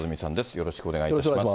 よろしくお願いします。